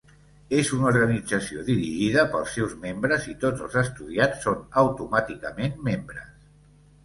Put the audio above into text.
És una organització dirigida pels seus membres i tots els estudiants són automàticament membres.